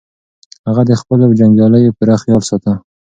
هغه د خپلو جنګیالیو پوره خیال ساته.